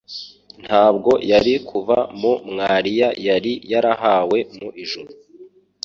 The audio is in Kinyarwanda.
ntabwo yari kuva mu mwariya yari yarahawe mu ijuru ;